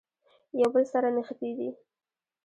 یو بل سره نښتي دي.